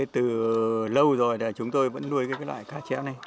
từ lâu rồi chúng tôi vẫn nuôi cái loại cá chép này